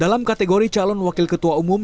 dalam kategori calon wakil ketua umum